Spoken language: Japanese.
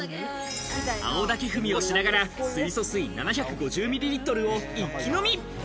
青竹踏みをしながら水素水７５０ｍｌを一気飲み。